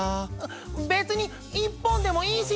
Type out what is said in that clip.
別に１本でもいいしん！